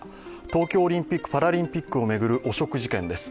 東京オリンピック・パラリンピックを巡る汚職事件です。